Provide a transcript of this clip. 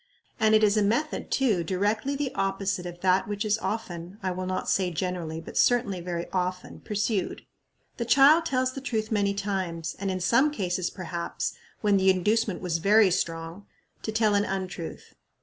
And it is a method, too, directly the opposite of that which is often I will not say generally, but certainly very often pursued. The child tells the truth many times, and in some cases, perhaps, when the inducement was very strong to tell an untruth.